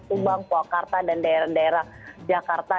tumbang puakarta dan daerah daerah jakarta